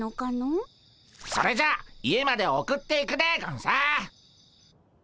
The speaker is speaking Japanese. それじゃ家まで送っていくでゴンス。